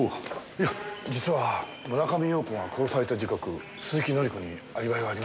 いや実は村上陽子が殺された時刻鈴木紀子にアリバイはありません。